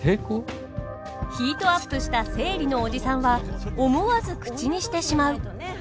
ヒートアップした生理のおじさんは思わず口にしてしまう！